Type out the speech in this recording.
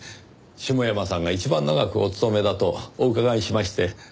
下山さんが一番長くお勤めだとお伺いしまして。